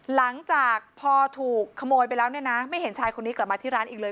หลังจากพอถูกขโมยไปแล้วเนี่ยนะไม่เห็นชายคนนี้กลับมาที่ร้านอีกเลย